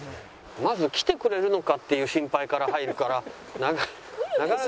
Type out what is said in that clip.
まず来てくれるのか？っていう心配から入るから。